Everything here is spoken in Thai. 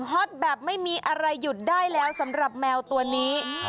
ฮอตแบบไม่มีอะไรหยุดได้แล้วสำหรับแมวตัวนี้